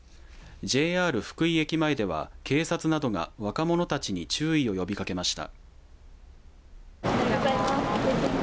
ＪＲ福井駅前では警察などが若者たちに注意を呼びかけました。